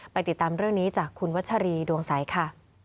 ติดตามเรื่องนี้จากคุณวัชรีดวงใสค่ะ